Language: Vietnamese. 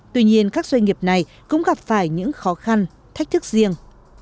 tuy nhiên các doanh nghiệp này cũng gặp phải những khó khăn thách thức riêng